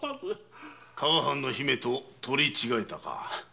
加賀藩の姫と取り違えたか。